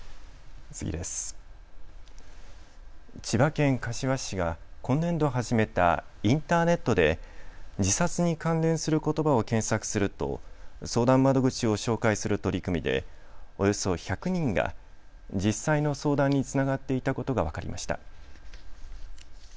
千葉県柏市が今年度始めたインターネットで自殺に関連することばを検索すると相談窓口を紹介する取り組みでおよそ１００人が実際の相談につながっていたことが分かりました。